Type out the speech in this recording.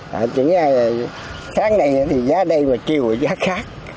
sáng nay thì giá đây mà chiều là giá khác